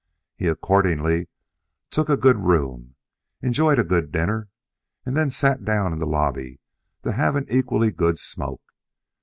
He accordingly took a good room, enjoyed a good dinner and then sat down in the lobby to have an equally good smoke.